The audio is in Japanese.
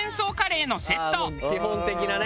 「基本的なね」